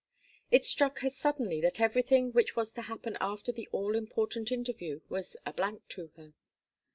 It struck her suddenly that everything which was to happen after the all important interview was a blank to her.